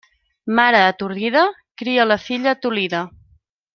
Mare atordida cria la filla tolida.